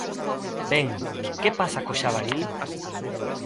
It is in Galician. Ben, ¿que pasa co xabaril?